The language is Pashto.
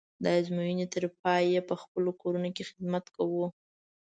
د ازموینې تر پایه یې په خپلو کورونو کې خدمت کوو.